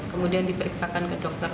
kemudian diperiksakan ke dokter